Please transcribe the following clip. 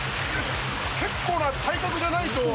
結構な体格じゃないと。